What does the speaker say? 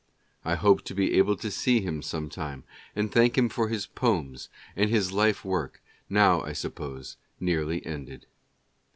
... I hope to be able to see him some time, and thank him for his poems and his life work, now, I suppose, nearly ended.